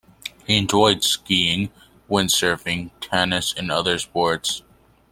He enjoyed skiing, wind surfing, tennis, and other sports.